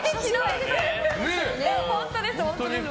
本当です。